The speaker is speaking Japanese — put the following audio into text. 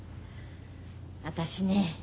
私ね